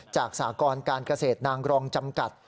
สากรการเกษตรนางกรองจำกัด